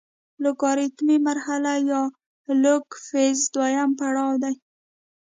لوګارتمي مرحله یا لوګ فیز دویم پړاو دی.